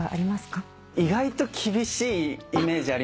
意外と厳しいイメージありましたね。